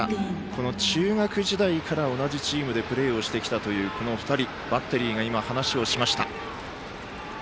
この中学時代から同じチームでプレーをしてきたというこの２人、バッテリーが話をしました。